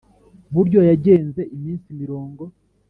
buryo yagenze iminsi mirongo